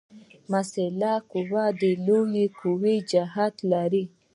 محصله قوه د لویې قوې جهت لري.